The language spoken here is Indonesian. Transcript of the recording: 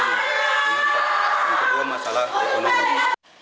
ini untuk dua masalah ekonomi